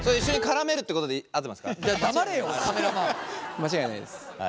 間違いないです。